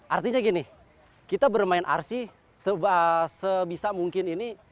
artinya gini kita bermain rc sebisa mungkin ini